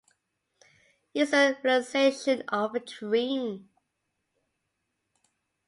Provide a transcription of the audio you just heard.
It's a realisation of a dream.